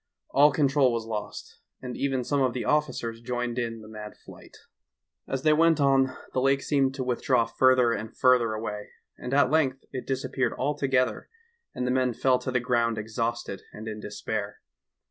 All control was lost, and even some of the officers joined in the mad flight. BETRAYED BY A MIRAGE. 171 As they went on the lake seemed to withdraw further and further away, and at length it disap peared altogether and the men fell to the ground exhausted and in despair.